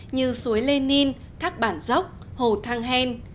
như suối lê ninh thác bản dốc hồ thang hèn